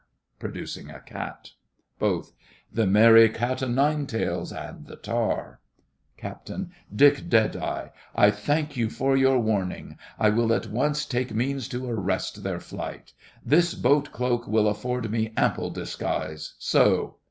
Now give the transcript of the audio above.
(Producing a "cat".) BOTH. The merry cat o' nine tails and the tar! CAPT. Dick Deadeye—I thank you for your warning—I will at once take means to arrest their flight. This boat cloak will afford me ample disguise—So!